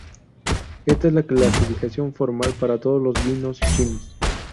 Esta es la clasificación formal para todos los vinos chinos.